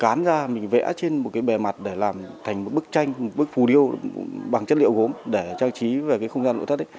dán ra mình vẽ trên một cái bề mặt để làm thành một bức tranh một bức phù điêu bằng chất liệu gốm để trang trí về cái không gian nội thất ấy